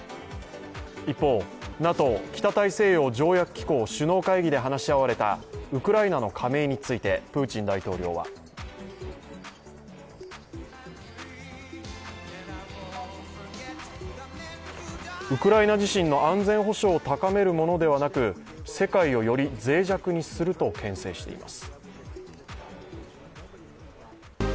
一方、ＮＡＴＯ＝北大西洋条約機構首脳会議で話し合われたウクライナの加盟についてプーチン大統領はウクライナ自身の安全保障を高めるものではなく世界をより脆弱にするとけん制しています。